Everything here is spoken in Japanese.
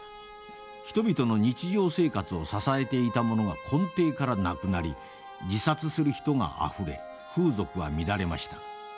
人々の日常生活を支えていたものが根底からなくなり自殺する人があふれ風俗は乱れました。